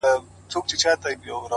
سیاه پوسي ده _ ورته ولاړ یم _